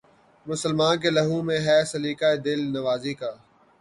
مسلماں کے لہو میں ہے سلیقہ دل نوازی کا